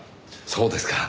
そうですか。